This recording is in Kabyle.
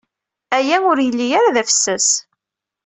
Aya ur d-yelli ara d afessas.